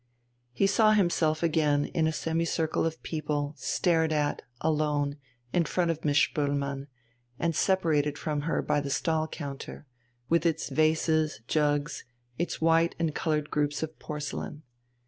He saw himself again in a semicircle of people, stared at, alone, in front of Miss Spoelmann, and separated from her by the stall counter, with its vases, jugs, its white and coloured groups of porcelain.